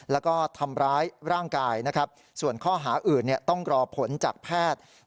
แล้วก็ทำร้ายร่างกายนะครับส่วนข้อหาอื่นต้องรอผลจากแพทย์